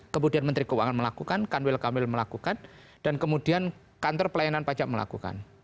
kemudian menteri keuangan melakukan kanwil kamil melakukan dan kemudian kantor pelayanan pajak melakukan